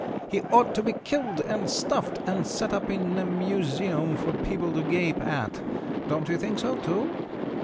He ought to be killed and stuffed and set up in a museum for people to gape at. Don't you think so, too?